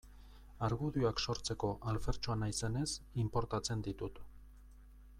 Argudioak sortzeko alfertxoa naizenez, inportatzen ditut.